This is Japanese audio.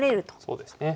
そうですね。